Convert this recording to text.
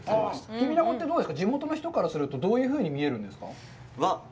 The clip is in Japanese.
キビナゴってどうですか、地元の人から見ると、どういうふうに見えるんですか？